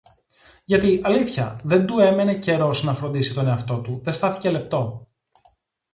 Γιατί, αλήθεια, δεν του έμενε καιρός να φροντίσει τον εαυτό του, δε στάθηκε λεπτό